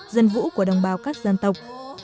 dân vũ của đồng bào các dân tộc